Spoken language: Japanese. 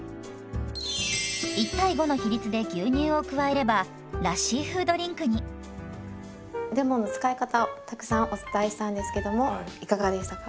１：５の比率で牛乳を加えればラッシー風ドリンクに。レモンの使い方をたくさんお伝えしたんですけどもいかがでしたか？